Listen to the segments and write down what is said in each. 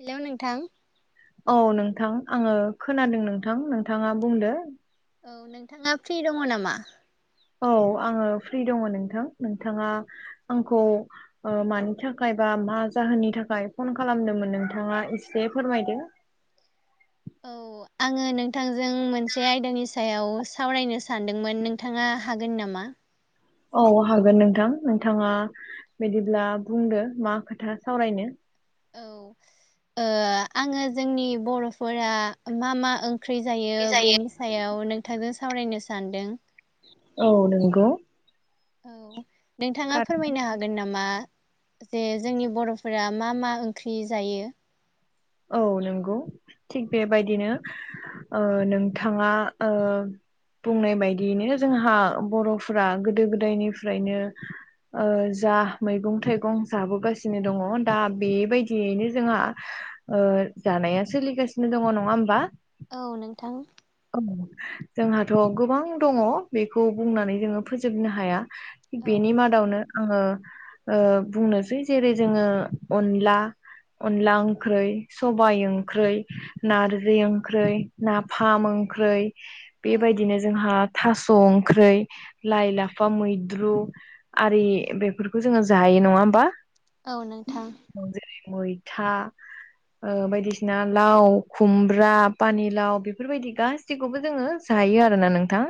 Hello नोंथां औ नोंथां आङो खोनादों नोंथां नोंथाङा बुंदो औ नोंथाङा फ्रि दङ नामा? औ आङो फ्रि दङ नोंथां नोंथाङा आंखौ मानि ओ थाखाय बा मा जाहोननि थाखाय फन खालामदोंमोन नोंथाङा एसे फोरमायदो औ आङो नोंथांजों मोनसे आयदानि सायाव सावरायनो सानदोंमोन नोंथाङा हागोन नामा? मा? औ हागोन नोंथां नोंथाङा बिदिब्ला बुंदो मा खोथा सावरायनो औ ओ आङो जोंनि बर फोरा मा मा ओं ओंख्रि जायो बेनि सायाव नोंथांजों सावरायनो सानदों औ नंगौ औ नोंथाङा थार फोरमायनो हागोन नामा? जे जोंनि बरफोरा मा मा ओंख्रि जायो औ नंगौ थिग बेबायदिनो ओ नोंथाङा ओ बुंनाय बायदियैनो जोंहा बरफ्रा गोदो गोदायनिफ्रायनो ओ जा मैगं थाइगं जाबोगासिनो दङ दा बेबायदियैनो जोंहा ओ जानाया सोलिगासिनो दङ नङा होमबा? औ नोंथां औ जोंहाथ गोबां दङ बेखौ बुंनानै जोङो फोजोबनो हाया बेनि औ मादावनो आङो ओ बुंनोसै जेरै जोङो अनला अनला ओंख्रै सबाय ओंख्रै नारजि ओंख्रै नाफा फाम ओंख्रै औ बेबायदिनो जोंहा थास' ओंख्रै लाइ लाफा मैद्रु आरि बेफोरखौ जोंङो जायो। नंङा होमबा? औ नोंथां जेरै मैथा ओ बायदिसिना लाव खुमब्रा पानिलाव बे बेफोरबायदि गासिखौबो जोंङो जायो आरोना नोंथां।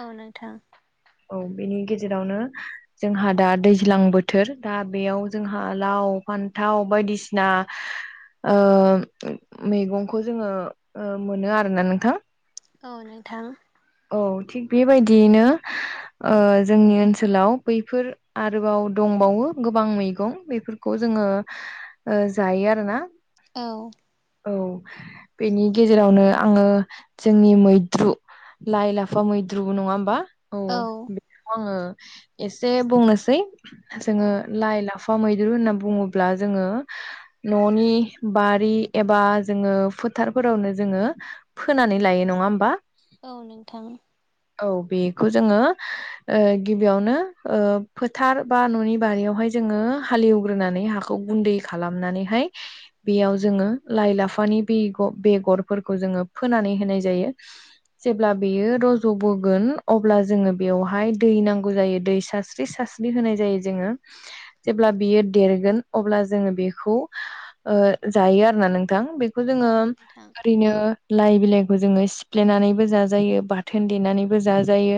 औ नोंथां औ बेनि गेजेरावनो जोंहा दा दैज्लां बोथोर दा बेयाव जोंहा लाव फान्थाव बायदिसिना ओ मैगंखौ जोंङो ओ मोनो आरोना नोंथां औ नोंथां औ थिग बेबायदियैनो ओ जोंनि ओनसोलाव बैफोर आरो आरोबाव दंबावो गोबां मैगं बेफोरखौ जोंङो ओ जायो आरोना औ औ बेनि गेजेरावनो आंङो जोंनि मैद्रु लाइ लाफा मैद्रुबो नंङा होमबा औ बेखौ आङो एसे बुंनोसै औ जोंङो लाइ लाफा फा मैद्रु होनना बुंङोब्ला जोंङो न'नि बारि एबा जोंङो फो फोथारफोरावनो जोंङो फोनानै लायो नंङा होमबा। औ नोंथां। औ बेखौ जोंङो ओ गिबियावनो ओ फोथार बा न'नि बारियावहाय। जोंंङो हालेव ग्रोनानै हाखौ गुन्दै खालामनानैहाय बेयाव जोंङो लाइ-लाफा। नि बिग' बेगरफोरखौ जोंङो फोनानै होनाय जायो। जेब्ला बेयो रज'बोगोन अब्ला जोंङो बेवहाय दै नांगौ जायो दै सारस्रि सा स्रि होनाय जायो जोंङो जेब्ला बियो देरगोन अब्ला जोंङो बेखौ ओ। ओ जायो आरोना नोंथां बेखौ औ जोंङो नोंथां ओरैनो लाइ बिलाइखौ जोंङो सिफ्लेनानै। बो जाजायो बाथोन देनानैबो जाजायो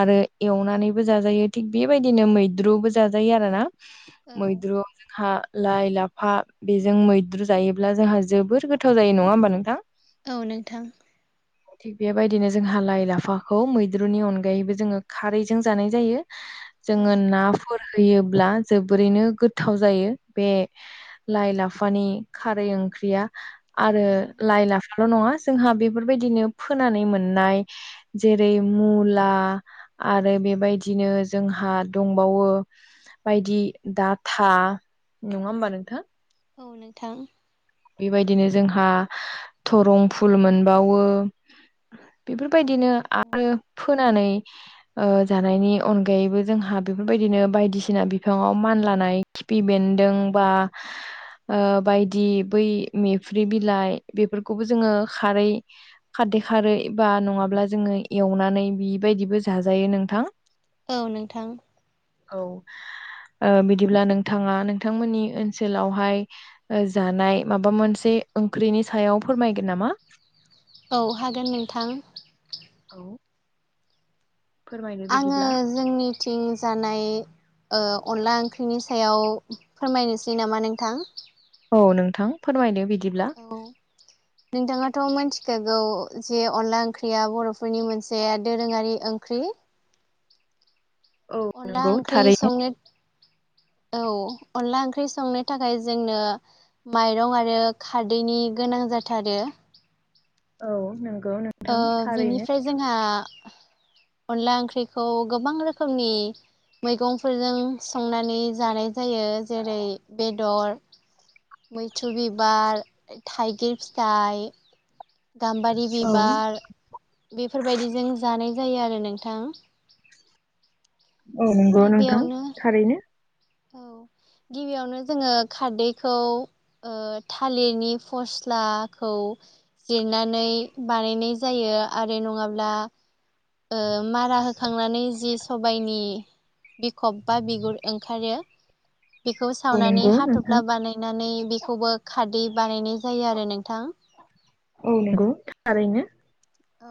आरो एवनानैबो जाजायो थिग बेबायदिनो। मैद्रुबो जाजायो आरो ना औ मैद्रुआव जोंहा लाइ। लाफा बेजों मैद्रु जायोब्ला जोंहा जोबोर गोथाव जायो नंङा होमबा नोंथां? औ नोंथां। थिग बेबायदिनो जोंहा लाइ लाफाखौ मैद्रुनि अनगायैबो जोंङो खारैजों जानाय जायो। औ जोंङो नाफोर। होयोब्ला जोबोरैनो गोथाव जायो बे लाइ लाफानि खारै ओं ख्रिया आरो औ लाइ लाफाल' नंङा जोंहा बेफोरबायदिनो। फोनानै मोननाय जेरै मुला आरो बेबायदिनो जोंहा। हा दंबावो बायदि डाथा नंङा होमबा नोंथां? औ नोंथां। बेबायदिनो जोंहा थरं फुल मोनबावो बेफोर। बायदिनो आरो फोनानै। ओ जानायनि अनगायैबो जोंहा बेफोरबायदिनो बायदिसिना बिफांङाव मानलानाय फि बेन्दों बा ओ बायदि। बै मेफ्रि बिलाइ बेफोरखौबो जोंङो खारै खारदै खारै बा नंङाब ब्ला जोंङो एवनानै बिबायदिबो जाजायो नोंथां। औ नोंथां। औ। ओ बिदिब्ला नोंथांङा नोंथांमोननि ओनसोलावहाय ओ जानाय। माबा मोनसे ओंख्रिनि सायाव फोरमायगोन नामा? औ हागोन नोंथां। औ। फोरमायदो आंङो बिदिब्ला। जोंनिथिं जानाय ओ। अनला ओंख्रिनि सायाव फोरमायनोसै नामा नोंथां? औ नोंथां फोरमायदो बिद औ नोंथाङाथ' मोनथि‌ [unintelligible] गौ जे अनला ओंख्रिया बर'फोरनि मोनसे दोरोङारि ओंख्रि। औ अनला नंगौ ओंख्रि थारैनो। संनो औ अनला ओंख्रि संनो थाखाय जोंनो माइरं आरो खारदैनि गोनां जाथारो [unintelligible] औ नों ओ बिनिफ्राय जोंहा अनला ओंख्रिखौ गोबां रोखोमनि मैगंफोरजों संनानै जानाय जायो जेरै बेदर मैथ्रु बिबार थाइगिर फिथाइ गाम्बारि औ बिबार बेफोरबायदिजों जानाय जायो आरो नो ओनथां औ नंगौ नोंथां थारैनो औ गिबियावनो जोङो खारदैखौ ओ थालिरनि फस्लाखौ जिरनानै बानायनाय जायो। ओ आरो नङाब्ला ओ मारा होखांनानै जि सबाइनि बिखब बा बिगुर खारो बेखौ औ सावनानै नंगौ नोंथां हाथ'फ्ला बानायनानै बेखौबो खारदै बानायनाय जायो आरो नोंथां। औ नंगौ थारैनो। औ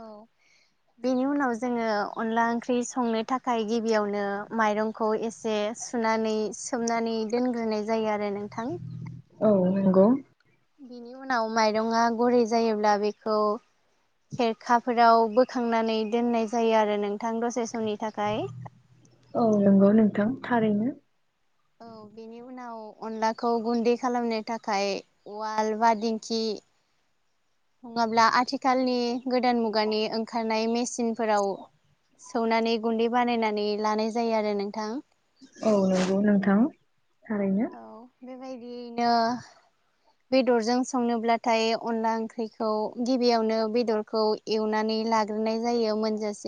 बेनि उनाव जोङो अनला ओंख्रि संनो थाखाय गिबियावनो माइरंखौ एसे सुनानै सोमनानै दोनग्रोनाय जायो आरो नोंथां। औ नोंगौ बिनि उनाव माइरङा गुरै जायोब्ला बेखौ खेरखाफोराव बोखांनानै दोननाय जायो आरो नोंथां दसे समनि थाखाय। औ नंगौ नोंथां थारैनो औ बेनि उनाव अनलाखौ गुन्दै खालामनो थाखाय उवाल बा दिंखि नङाब्ला आथिखालनि गोदान मुगानि ओंखारनाय मेसिनफोराव सौनानै गुन्दै बानायनानै लानाय जायो आरो नोंथां। औ नंगौ नोंथां थारैनो औ बेबायदियैनो बेदरजों संनोब्लाथाय अनला ओंख्रिखौ गिबियावनो बेदरखौ एवनानै लाग्रोनाय जायो मोनजास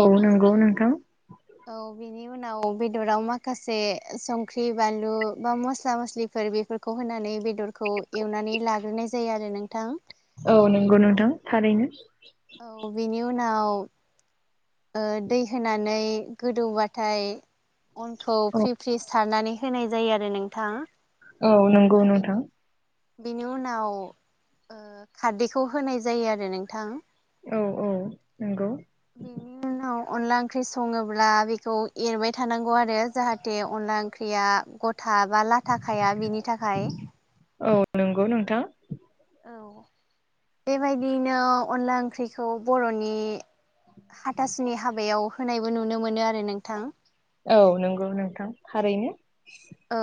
औ नंगौ नोंथां औ बेनि उनाव बेदराव माखासे संख्रि बानलु बा मस्ला-मस्लि फोर बेफोरखौ होनानै बेदरखौ एवनानै लाग्रोनाय जायो आरो नोंथां। औ नंगौ नोंथां थारैनो औ बिनि उनाव ओ दै होनानै गोदौबाथाय अनखौ औ फ्रि फ्रि सारनानै होनाय जायो आरो नोंथां। औ नंगौ बेनि नोंथां‌। बेनि उनाव ओ खारदैखौ होनाय जायो आरो नोंथां। औ औ नोंगौ। बिनि उना आव अनला ओंख्रि सङोब्ला बेखौ एरबाय थानांगौ आरो जाहाथे अनला ओंख्रिया गथा बा लाथा खाया बिनि थाखाय। औ नोंगौ नोंथां। औ बेबायदियैनो अनला ओंख्रिखौ बर'नि हाथासुनि हाबायाव होनायबो नुनो मोनो आरो नोंथां औ नंगौ नोंथां थारैनो। औ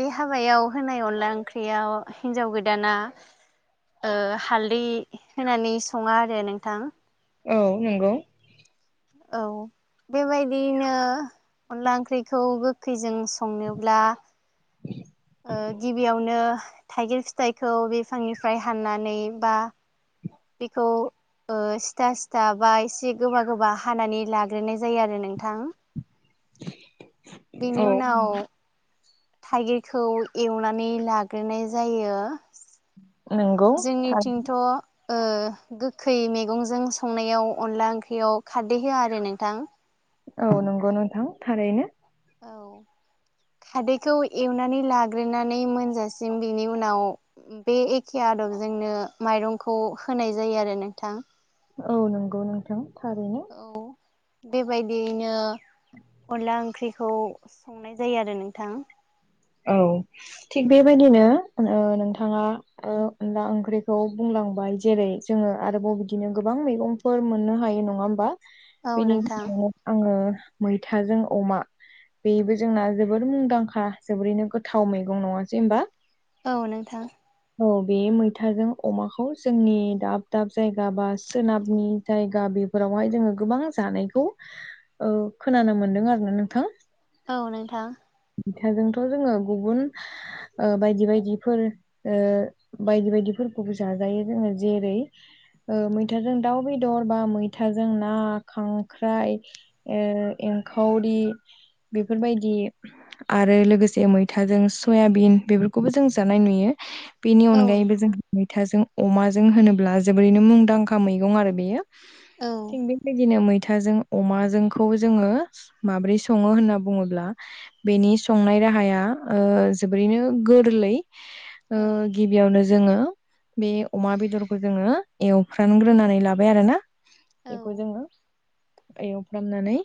बे हाबायाव होनाय अनला ओंख्रियाव हिन्जाव गोदाना ओ हालदै होनानै सङा आरो नोंथां औ नोंगौ। औ बेबायदियैनो अनला ओंख्रिखौ गोखैजों संनोब्ला ओ गिबियावनो थाइगिर फिथाइखौ बिफांनिफ्राय हाननानै बा बेखौ ओ सिथा सिथा बा एसे गोबा गोबा हानानै लाग्रोनाय जायो आरो नोंथां [inaudible] बेनि औ उनाव थाइगिरखौ एवनानै लाग्रोनाय जायो। नंगौ जोंनिथिंथ' ओ गोखै मैगंजों संनायाव अनला ओंख्रियाव खारदै होआ आरो नोंथां औ नंगौ नोंथां थारैनो। औ खादैखौ एवनानै लाग्रोनानै मोनजासिम बिनि उनाव बे एखे आदबजोंनो माइरंखौ होनाय जायो आरो नोंथां औ नंगौ नोंथां थारैनो। औ बेबायदियैनो अनला ओंख्रिखौ संनाय जायो आरो नोंथां औ थिग बेबायदिनो ओ नोंथाङा ओ अनला ओंख्रिखौ बुं लांबाय जेरै जोङो आरोबाव बिदिनो गोबां मैगंफोर मोननो हायो नङा होमबा? औ नोंथां बेनिनो आङो मैथाजों अमा बेबो जोंना जोबोर मुंदांखा जोबोरैनो गोथाव मैगं नङासै होमबा। औ नोंथां। औ बे मैथाजों अमाखौ जोंनि दाब दाब जायगा बा सोनाबनि जायगा बेफोरावहाय जोङो गोबां जानायखौ ओ खोनानो मोनदों आरो ना नोंथां। औ नोंथां। मैथाजोंथ' जोङो गुबुन ओ बायदि बायदिफोर ओ बायदि बायदिफोरखौबो जाजायो जोङो जेरै ओ मैथाजों दाउ बेदर बा मैथाजों ना खांख्राइ ओ रांखावरि बेफोरबायदि आरो लोगोसे मैथाजों सयाबिन बेफोरखौबो जों जानाय नुयो। बेनि औ अनगायैबो जों नोंथां मैथाजों अमाजों होनोब्ला जोबोरैनो मुंदांखा मैगं आरो बेयो। औ थि बेदिनो मै मैथाजों अमाजोंखौ जोङो माब्रै सङो होनना बुङोब्ला बेनि संनाय राहाया ओ जोबोरैनो गोरलै ओ औ गिबियावनो जोङो बे अमा बेदरखौ जोङो एवफ्रानग्रोनानै लाबाय आरो ना औ बेखौ जोङो एवफ्रामनानै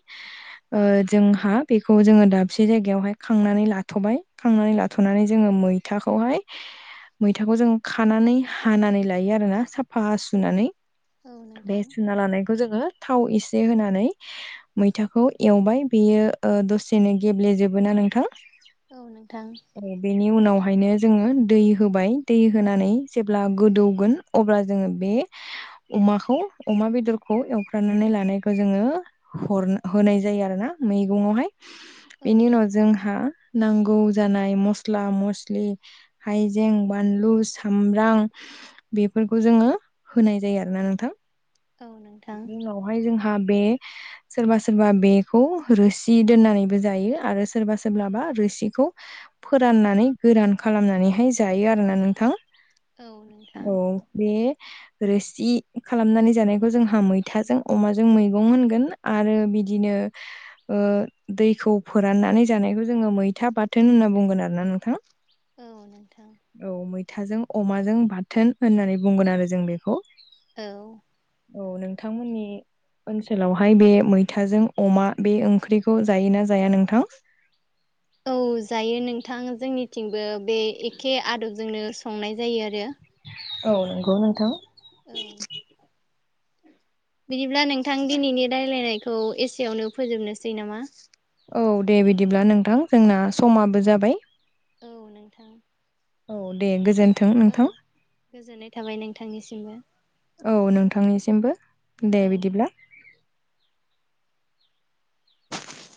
ओ जोंहा बेखौ जोङो दा खबसे जायगायावहाय खांनानै लाथ'बाय खांनानै लाथ'नानै जोङो मैथाखौहाय मैथाखौ जों खानानै हानानै लायो आरोना साफा हासुनानै औ बे नोंथां सुनालानायखौ जोङो थाव एसे होनानै मैथाखौ एवबाय बेयो दसेनो गेब्लेजोबो ना नोंथां। औ नोंथां। बवहायनो जोङो दै होबाय दै होनानै जेब्ला गोदौगोन अब्ला जोङो बे अमाखौ अमा बेदरखौ एवफ्रामनानै लानायखौ जोङो हर होनाय जायो आरो ना मैगङावहाय औ नोंथां औ बेनि उनाव नोंथां जोंहा नांगौ जानाय मस्ला मस्लि, हायजें, बानलु, सामब्राम बेफोरखौ जोङो होनाय जायो आरोना नोंथां। औ नोंथां। आ बे सोरबा सोरबा बेखौ रोसि दोननानैबो जायो। आरो सोरबा सोरब्लाबा रोसिखौ फोराननानै गोरान खालामनानैहाय जायो आरोना नोंथां। औ बे रोसि खालामनानै जानायखौ जोंहा मैथाजों अमाजों मैगं होनगोन आरो बि दिनो ओ दैखौ फोराननानै जानायखौ जोङो मैथा बाथोन होनना बुंगोन आरोना नोंथां। औ नोंथां। थाजों अमाजों बाथोन होननानै बुंगोन आरो जों बेखौ। औ। औ नोंथांमोननि ओनसोलावहाय बे मैथाजों अमा बे ओंख्रिखौ जायोना जाया नोंथां? औ जायो नोंथां। जोंनिथिंबो बे एखे आदबजोंनो संनाय जायो आरो। औ नंगौ नोंथां। औ। बिदिब्ला नोंथां दिनैनि रायलायनायखौ एसेवनो फोजोबनोसै नामा? औ दे बिदिब्ला नोंथां जोंना समाबो जाबाय। औ नोंथां। औ दे गोजोन औ गोजोननाय थाबाय नोंथांनिसिमबो। औ नोंथांनिसिमबो दे औ बिदिब्ला।